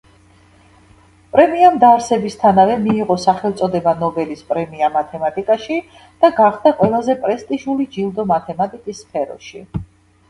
პრემიამ დაარსებისთანავე მიიღო სახელწოდება „ნობელის პრემია მათემატიკაში“ და გახდა ყველაზე პრესტიჟული ჯილდო მათემატიკის სფეროში.